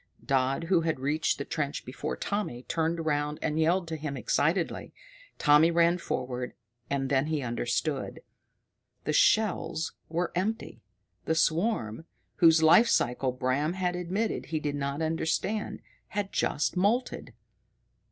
Dodd, who had reached the trench before Tommy, turned round and yelled to him excitedly. Tommy ran forward and then he understood. The shells were empty. The swarm, whose life cycle Bram had admitted he did not understand, had just moulted!